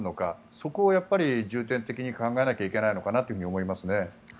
そこを重点的に考えなきゃいけないのかなと思いますね。